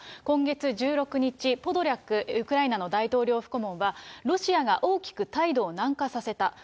今月１６日、ポドリャクウクライナの大統領府顧問は、ロシアが大きく態度を軟化させた。